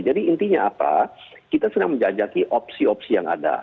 jadi intinya apa kita sedang menjajaki opsi opsi yang ada